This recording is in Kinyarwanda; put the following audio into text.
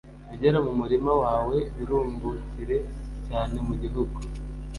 ibyera mu murima wawe birumbukire cyane mu gihugu